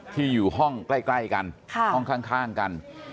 ที่อยู่ห้องใกล้กันห้องข้างกัน